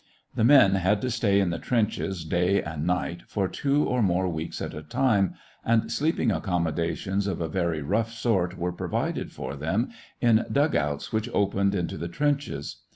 The men had to stay in the trenches day and night for two or more weeks at a time, and sleeping accommodations of a very rough sort were provided for them in dugouts which opened into the trenches.